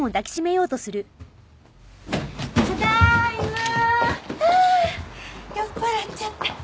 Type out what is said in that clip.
はぁ酔っ払っちゃった。